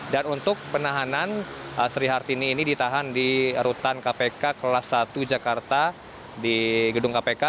dan untuk penahanan sri hartini ini ditahan di rutan kpk kelas satu jakarta di gedung kpk